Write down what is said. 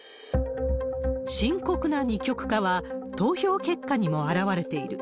深刻な二極化は、投票結果にも表れている。